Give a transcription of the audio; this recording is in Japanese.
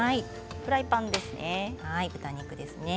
フライパンですね。